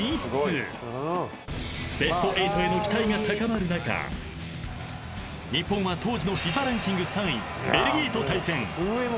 ［ベスト８への期待が高まる中日本は当時のＦＩＦＡランキング３位ベルギーと対戦］